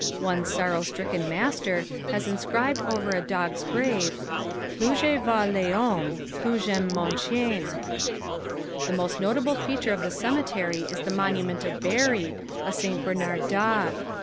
One sorrow stricken master has inscribed over a dog's grave, "Plus je vois les hommes, plus j'aime mon chien." The most notable feature of the cemetery is the monument of Barry, a St. Bernard dog.